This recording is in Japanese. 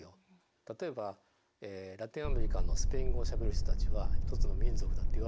例えばラテンアメリカのスペイン語をしゃべる人たちは一つの民族だっていわれませんよね。